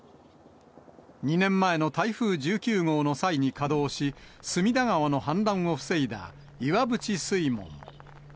２年前の台風１９号の際に稼働し、隅田川の氾濫を防いだ岩淵水門。